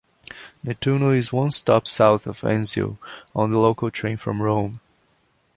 Nettuno is one stop south of Anzio on the local train from Rome.